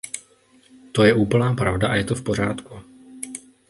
To je úplná pravda a je to v pořádku.